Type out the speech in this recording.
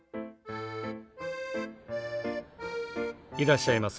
いらっしゃいませ。